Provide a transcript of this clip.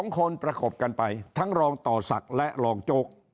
๒คนประกบกันไปทั้งรองต่อศักดิ์และรองโจ๊ก